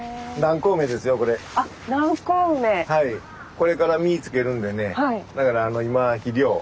これから実つけるんでねだから今肥料。